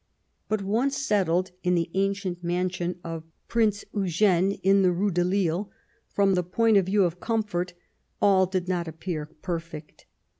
But, once settled in the ancient mansion of Prince Eugene, in the Rue de Lille, from the point of view of comfort, all did not appear perfect.